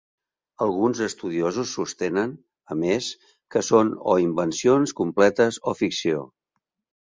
Alguns estudiosos sostenen, a més, que són o invencions completes o ficció.